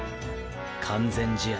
完全試合。